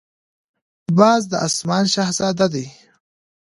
باز د آسمان شهزاده دی